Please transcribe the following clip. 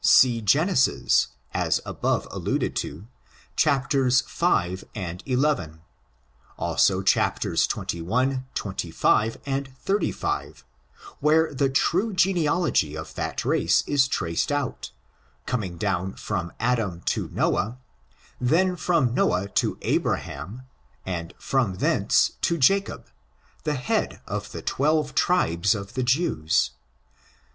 See Genesis, as above alluded to, v and xi; also, chapters xxi, xxv and xxxv, where the true genealogy of that race is traced out, coming down from Adam to Noahj then from Noah to Abraham^ and from thence to JaoiAf the head of the twelve tribes of the Jews.